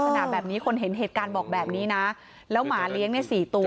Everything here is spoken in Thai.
ลักษณะแบบนี้คนเห็นเหตุการณ์บอกแบบนี้นะแล้วหมาเลี้ยงเนี่ยสี่ตัว